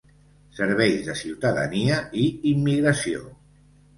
Serveis de ciutadania i immigració.